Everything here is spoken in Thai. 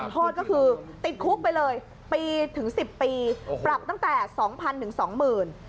โทษก็คือติดคุกไปเลยปีถึงสิบปีปรับตั้งแต่สองพันถึงสองหมื่น